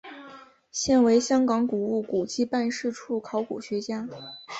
现为香港古物古迹办事处考古学家。